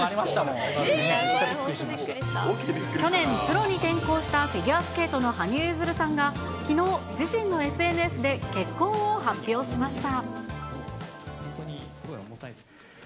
去年プロに転向したフィギュアスケートの羽生結弦さんが、きのう、自身のＳＮＳで結婚を発表しました。